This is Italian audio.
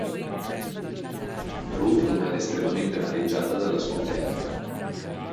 Root rimane estremamente amareggiata dalla scoperta.